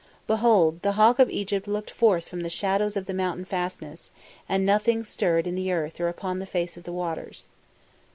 "Behold, the Hawk of Egypt looked forth from the shadows of the mountain fastness, and nothing stirred in the earth or upon the face of the waters.